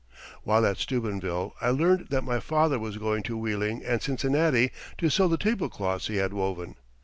While at Steubenville I learned that my father was going to Wheeling and Cincinnati to sell the tablecloths he had woven.